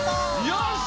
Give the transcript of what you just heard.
よし！